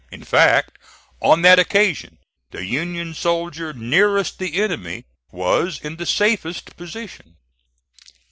In fact, on that occasion the Union soldier nearest the enemy was in the safest position.